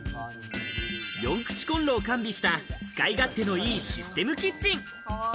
４口コンロを完備した使い勝手のいいシステムキッチン。